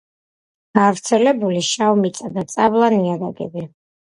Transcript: გავრცელებულია შავმიწა და წაბლა ნიადაგები.